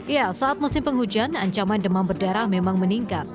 ya saat musim penghujan ancaman demam berdarah memang meningkat